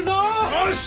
よし！